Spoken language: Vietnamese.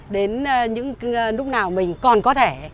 đến những lúc nào mình còn có thể